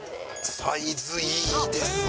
サイズいいですね！